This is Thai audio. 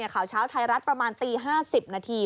ข่าวเช้าไทยรัฐประมาณตี๕๐นาที